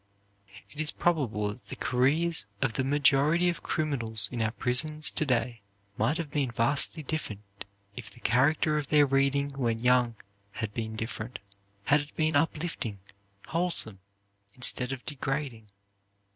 It is probable that the careers of the majority of criminals in our prisons to day might have been vastly different if the character of their reading when young had been different; had it been up lifting, wholesome, instead of degrading.